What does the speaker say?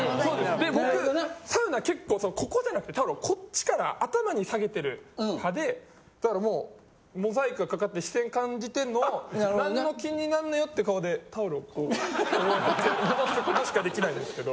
で僕サウナ結構ここでなくてタオルをこっちから頭に下げてる派でだからもうモザイクがかかって視線感じての何も気になんないよって顔でタオルをこうこうやって戻すことしか出来ないんですけど。